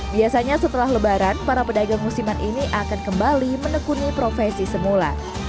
biasanya setelah lebaran para pedagang musiman ini akan kembali menekuni profesi semula